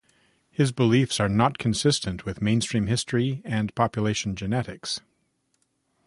His beliefs are not consistent with mainstream history and population genetics.